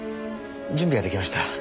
準備は出来ました。